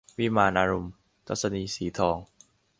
วิมานอารมณ์ - ทัศนีย์ สีทอง